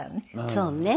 そうね。